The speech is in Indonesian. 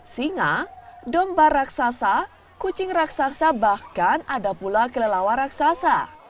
singa domba raksasa kucing raksasa bahkan ada pula kelelawar raksasa